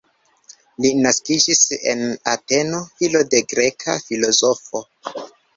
Li naskiĝis en Ateno, filo de greka filozofo.